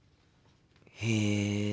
へえ。